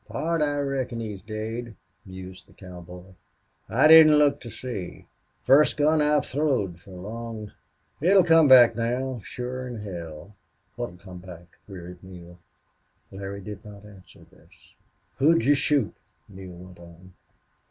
"Pard, I reckon he's daid," mused the cowboy. "I didn't look to see.... Fust gun I've throwed fer long.... It 'll come back now, shorer 'n hell!" "What 'll come back?" queried Neale. Larry did not answer this. "Who'd you shoot?" Neale went on.